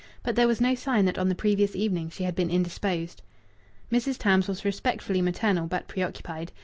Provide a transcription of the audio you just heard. But there was no sign that on the previous evening she had been indisposed. Mrs. Tams was respectfully maternal, but preoccupied.